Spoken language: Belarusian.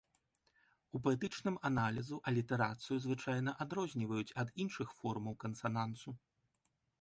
У паэтычным аналізу алітэрацыю звычайна адрозніваюць ад іншых формаў кансанансу.